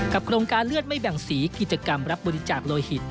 โครงการเลือดไม่แบ่งสีกิจกรรมรับบริจาคโลหิต